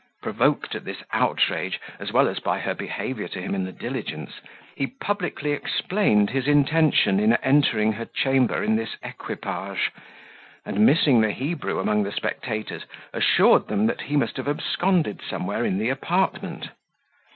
Provoked at this outrage, as well as by her behaviour to him in the diligence, he publicly explained his intention in entering her chamber in this equipage; and missing the Hebrew among the spectators, assured them that he must have absconded somewhere in the apartment.